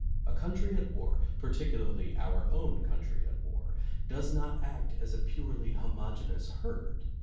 A country at war — particularly our own country at war — does not act as a purely homogeneous herd.